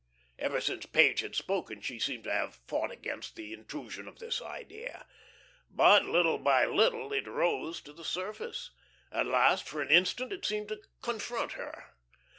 Ever since Page had spoken she seemed to have fought against the intrusion of this idea. But, little by little, it rose to the surface. At last, for an instant, it seemed to confront her.